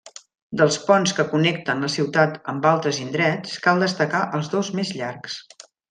Dels ponts que connecten la ciutat amb altres indrets, cal destacar els dos més llargs.